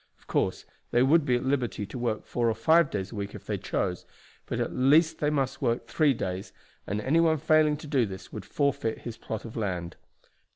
Of course they would be at liberty to work four or five days a week if they chose; but at least they must work three days and any one failing to do this would forfeit his plot of land.